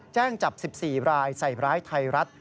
แจ้งจับ๑๔รายใส่ร้ายไทยรัฐ